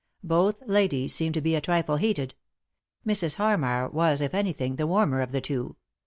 Both ladies seemed to be a trifle heated. Mrs. Harmar was, if anything, the warmer of the two.